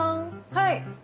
はい。